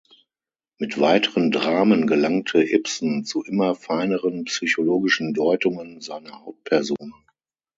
Mit weiteren Dramen gelangte Ibsen zu immer feineren psychologischen Deutungen seiner Hauptpersonen.